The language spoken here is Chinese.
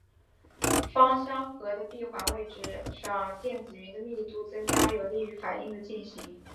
芳香核的闭环位置上电子云的密度增加有利于反应的进行。